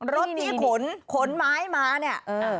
รถที่ขนขนไม้มาเนี่ย